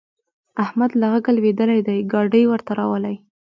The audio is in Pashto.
احمد له غږه لوېدلی دی؛ ګاډی ورته راولي.